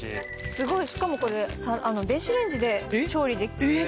すごいしかもこれ電子レンジで調理。